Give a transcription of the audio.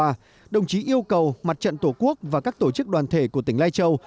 trong thời gian qua đồng chí yêu cầu mặt trận tổ quốc và các tổ chức đoàn thể của tỉnh lai châu